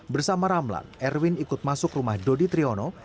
bersama ramlan erwin ikut masuk rumah dodi triyono